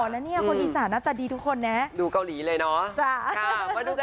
แล้วเนี่ยคนอีสานหน้าตาดีทุกคนนะดูเกาหลีเลยเนอะ